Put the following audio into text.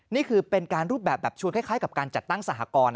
นี่คือเป็นการรูปแบบแบบชวนคล้ายกับการจัดตั้งสหกรณ์